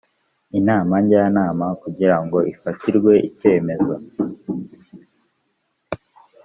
inama njyanama kugira ngo ifatirwe icyemezo